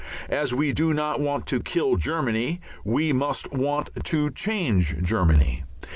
As we do not want to kill Germany we must want to change Germany.